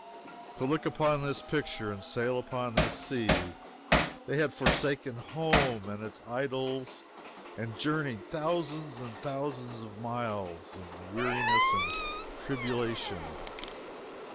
To look upon this picture, and sail upon this sea, they had forsaken home and its idols and journeyed thousands and thousands of miles, in weariness and tribulation.